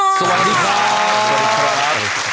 สวัสดีค่ะ